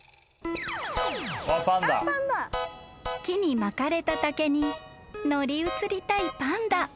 ［木に巻かれた竹に乗り移りたいパンダ］